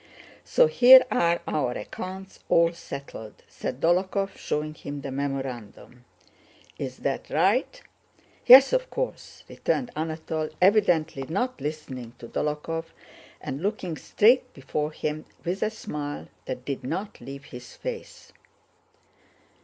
So here are our accounts all settled," said Dólokhov, showing him the memorandum. "Is that right?" "Yes, of course," returned Anatole, evidently not listening to Dólokhov and looking straight before him with a smile that did not leave his face.